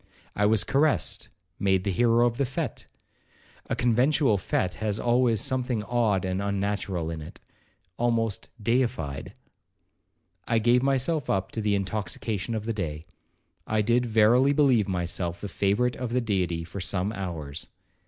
I was caressed,—made the hero of the fete,—(a conventual fete has always something odd and unnatural in it),—almost deified. I gave myself up to the intoxication of the day,—I did verily believe myself the favourite of the Deity for some hours.